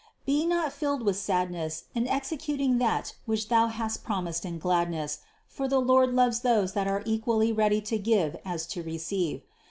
Be not filled with sadness in executing that which thou hast promised in gladness, for the Lord loves those that are equally ready to give as to receive.